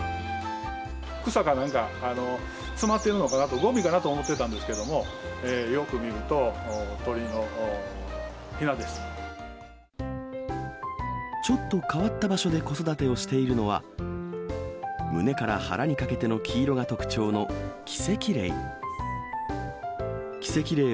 草かなんか詰まってるのかなと、ごみかなと思ってたんですけど、よく見ると、ちょっと変わった場所で子育てをしているのは、胸から腹にかけての黄色が特徴のキセキレイ。